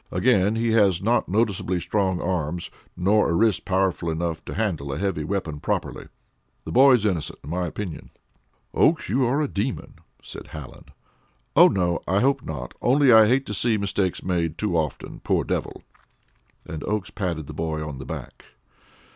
"Again, he has not noticeably strong arms, nor a wrist powerful enough to handle a heavy weapon properly. The boy is innocent in my opinion." "Oakes, you are a demon," said Hallen. "Oh, no, I hope not; only I hate to see mistakes made too often. Poor devil!" And Oakes patted the boy on the back.